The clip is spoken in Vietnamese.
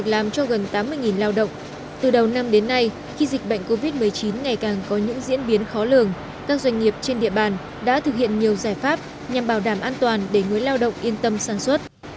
các doanh nghiệp trên địa bàn đã thực hiện nhiều giải pháp nhằm bảo đảm an toàn để người lao động yên tâm sản xuất